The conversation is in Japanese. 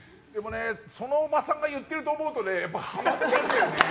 そのおばさんが言ってると思うとハマっちゃうんだよね。